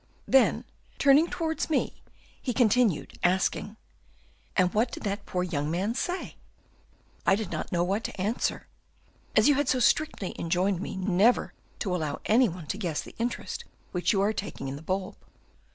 Then, turning towards me, he continued, asking 'And what did that poor young man say?' "I did not know what to answer, as you had so strictly enjoined me never to allow any one to guess the interest which you are taking in the bulb.